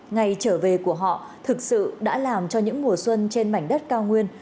ngày trở về của họ thực sự đã làm cho những mùa xuân trên mảnh đất cao nguyên